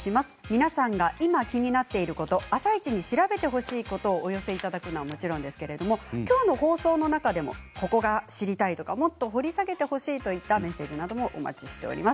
皆さんが今、気になっていること「あさイチ」に調べてほしいことをお寄せいただくのはもちろんですが、きょうの放送の中でもここが知りたいとかもっと掘り下げてほしいといったメッセージなどもお待ちしています。